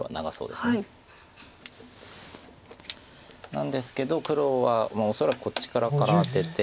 なんですけど黒は恐らくこっち側からアテて。